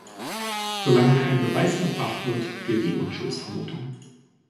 So lange kein Beweis erbracht wird, gilt die Unschuldsvermutung.